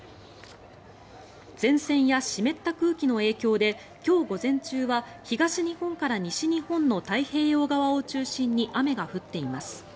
前線や湿った空気の影響で今日午前中は東日本から西日本の太平洋側を中心に雨が降っています。